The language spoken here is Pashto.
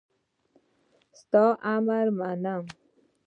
ستاسو امر منم